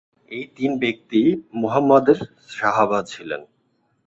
এই তিন ব্যক্তিই মুহাম্মাদের সাহাবা ছিলেন।